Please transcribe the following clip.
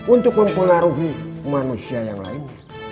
untuk mempengaruhi manusia yang lain